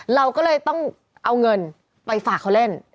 เราก็เลยต้องเอาเงินไปฝากเขาเล่น